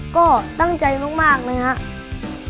ก็ตั้งใจมากนะครับ